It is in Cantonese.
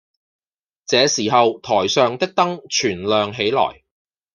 這時候台上的燈全亮起來